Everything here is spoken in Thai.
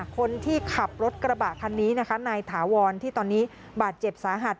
คนที่ขับรถกระบะคันนี้นะคะนายถาวรที่ตอนนี้บาดเจ็บสาหัส